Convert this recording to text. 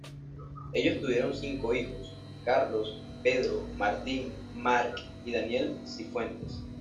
Ellos tuvieron cinco hijos: Carlos, Pedro, Martín, Mark y Daniel Cifuentes.